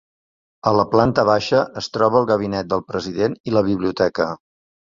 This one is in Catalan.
A la planta baixa es troba el Gabinet del President i la Biblioteca.